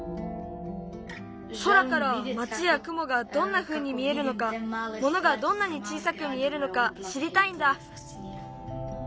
空から町やくもがどんなふうに見えるのかものがどんなに小さく見えるのかしりたいんだ。